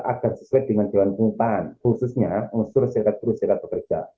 agar sesuai dengan jawan pungpan khususnya unsur serikat guru serikat pekerja